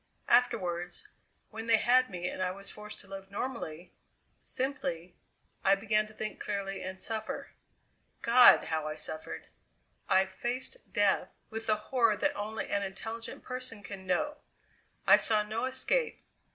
Afterward, when they had me and I was forced to live normally, simply, I began to think clearly and suffer. God! how I suffered! I faced death with the horror that only an intelligent person can know. I saw no escape.